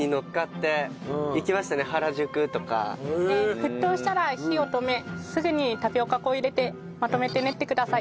沸騰したら火を止めすぐにタピオカ粉を入れてまとめて練ってください。